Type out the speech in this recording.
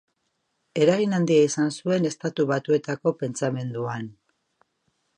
Eragin handia izan zuen Estatu Batuetako pentsamenduan.